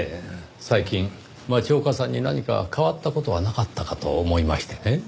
最近町岡さんに何か変わった事はなかったかと思いましてね。